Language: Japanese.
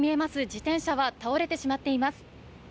自転車は倒れてしまっています。